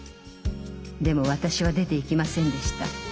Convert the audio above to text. でも私は出ていきませんでした。